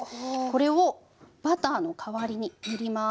これをバターの代わりに塗ります。